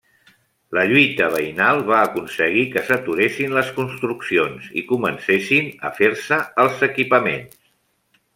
La lluita veïnal va aconseguir que s'aturessin les construccions i comencessin a fer-se els equipaments.